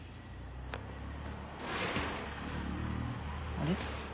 あれ？